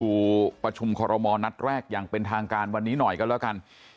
ประชุมคอรมอลนัดแรกอย่างเป็นทางการวันนี้หน่อยก็แล้วกัน